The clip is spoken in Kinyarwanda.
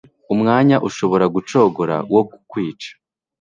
umwanya ushobora gucogora wo kukwica